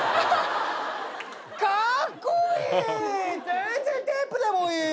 全然テープでもいい。